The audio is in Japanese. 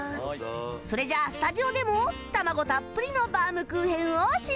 それじゃあスタジオでも卵たっぷりのバームクーヘンを試食